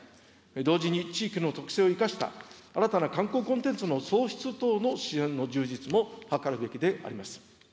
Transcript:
同時に地域の特性を生かした新たな観光コンテンツの創出等の支援の充実も図るべきであります。